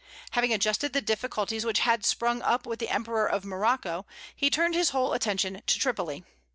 Having adjusted the difficulties which had sprung up with the emperor of Morocco, he turned his whole attention to Tripoli.